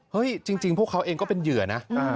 จริงพวกเขาเองก็เป็นเหยื่อนะ